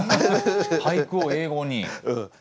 俳句を英語に？